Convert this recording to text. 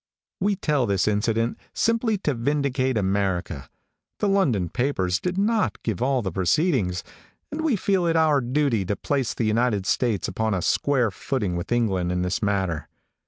We tell this incident simply to vindicate America. The London papers did not give all the proceedings, and we feel it our duty to place the United States upon a square footing with England in this matter.